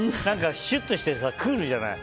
シュッとしてて、クールじゃない。